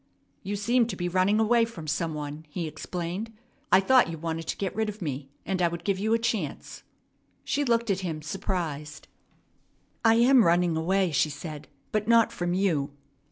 "You seem to be running away from some one," he explained. "I thought you wanted to get rid of me, and I would give you a chance." She looked at him surprised. "I am running away," she said, "but not from you."